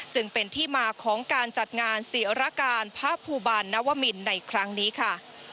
จึงเป็นที่มาของการจัดงานศิรการพระภูบาลนวมินในครั้งนี้ค่ะ